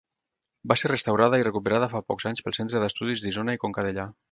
Va ser restaurada i recuperada, fa pocs anys, pel Centre d'Estudis d'Isona i Conca Dellà.